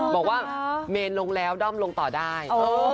บอกว่าเมนลงแล้วด้อมลงต่อได้